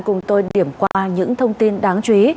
cùng tôi điểm qua những thông tin đáng chú ý